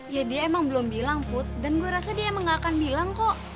ya dia emang belum bilang put dan gue rasa dia emang gak akan bilang kok